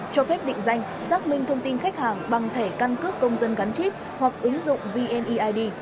cho phép định danh xác minh thông tin khách hàng bằng thẻ căn cước công dân gắn chip hoặc ứng dụng vneid